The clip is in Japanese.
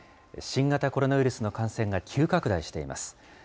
新型コロナウイルスの感染が急拡大しています。